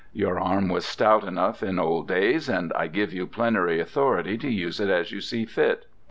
Your arm was stout enough in old days, and I give you plenary authority to use it as you see fit.